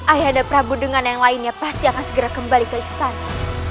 ayah dan prabu dengan yang lainnya pasti akan segera kembali ke istana